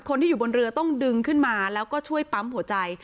คนที่อยู่บนเรือต้องดึงขึ้นมาแล้วก็ช่วยปั๊มหัวใจ